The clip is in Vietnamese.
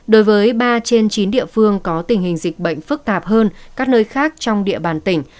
đối với ba trên chín địa phương có tình hình dịch bệnh phức tạp hơn các nơi khác trong địa bàn tỉnh